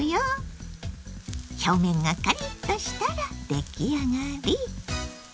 表面がカリッとしたら出来上がり。